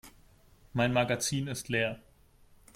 Mein Magazin ist leer.